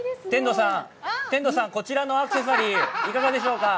天童さん、こちらのアクセサリー、いかがでしょうか？